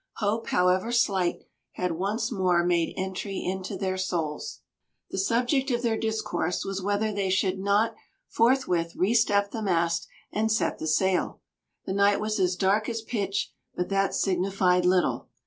Hope, however slight, had once more made entry into their souls. The subject of their discourse was whether they should not forthwith re step the mast and set the sail. The night was as dark as pitch, but that signified little.